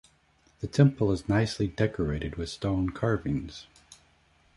The temple is nicely decorated with stone carvings.